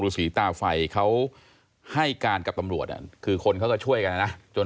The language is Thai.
สีตาไฟเขาให้การกับตำรวจคือคนเขาก็ช่วยกันนะนะจน